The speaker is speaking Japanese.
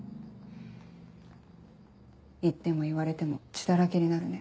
言っても言われても血だらけになるね。